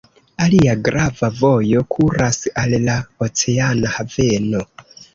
Alia grava vojo kuras al la oceana haveno.